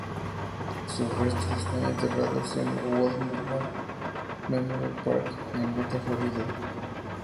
Sus restos están enterrados en Woodlawn Memorial Park en Gotha, Florida.